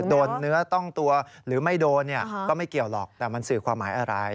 เนื้อต้องตัวหรือไม่โดนก็ไม่เกี่ยวหรอกแต่มันสื่อความหมายอะไร